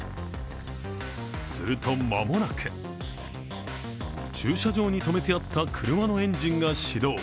すると間もなく、駐車場に止めてあった車のエンジンが始動。